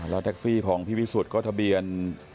แล้วแท็กซี่ของพี่วิสุทธิ์ก็ทะเบียน